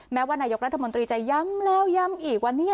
แม้ว่านายกรัฐมนตรีจะย้ำแล้วย้ำอีกวันนี้